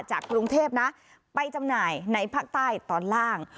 จากกรุงเทพนะไปจำหน่ายในภาคใต้ตอนล่าง